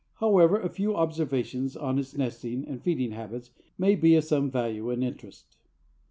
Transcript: However, a few observations on its nesting and feeding habits may be of some value and interest.